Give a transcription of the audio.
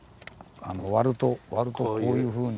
割るとこういうふうに。